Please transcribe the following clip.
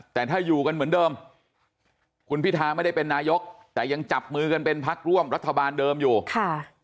แต่ถ้าอยู่กันเหมือนเดิมคุณพิทาไม่ได้เป็นนายกแต่ยังจับมือกันเป็นพักร่วมรัฐบาลเดิมอยู่ค่ะ